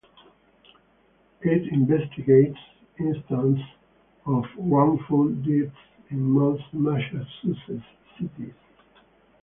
It investigates instances of wrongful deaths in most Massachusetts cities.